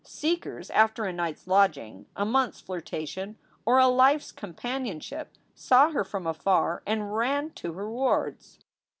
Seekers after a night s lodging, a month s flirtation, or a life s companionship saw her from afar and ran to her wards.